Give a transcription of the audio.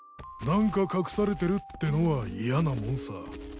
何か隠されてるってのは嫌なもんさ。